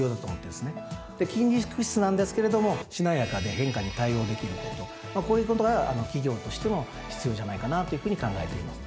で筋肉質なんですけれどもしなやかで変化に対応できることまあこういうことが企業としても必要じゃないかなというふうに考えています。